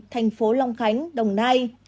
thành phố long khánh đồng nai